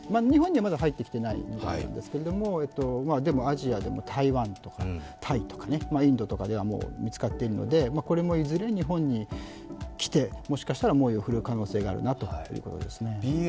日本にはまだ入ってきていないみたいなんですけどでもアジアでも台湾とかタイとかインドとかでは見つかっているのでこれもいずれ日本に来てもしかしたら猛威を振るう可能性があるなというところですね。